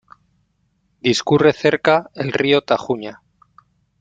Discurre cerca el río Tajuña.